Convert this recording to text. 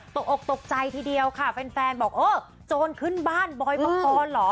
ตกออกตกใจทีเดียวค่ะแฟนบอกเออโจรขึ้นบ้านบอยปกรณ์เหรอ